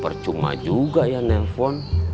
percuma juga ya nelfon